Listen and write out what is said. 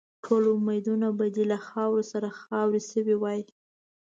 ټول امیدونه به دې له خاورو سره خاوري شوي وای.